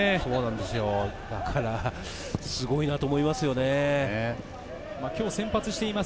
だからすごいなと思います。